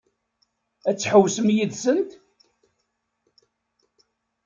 Ad tḥewwsem yid-sent?